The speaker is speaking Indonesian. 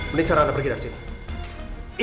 menit cara anda pergi dari sini